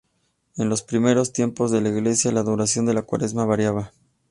En los primeros tiempos de la Iglesia, la duración de la Cuaresma variaba.